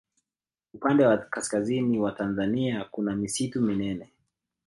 upande wa kaskazini mwa tanzania kuna misitu minene